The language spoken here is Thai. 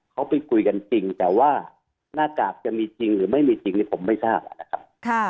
เขาไปคุยกันจริงแต่ว่าหน้ากากจะมีจริงหรือไม่มีจริงนี่ผมไม่ทราบนะครับ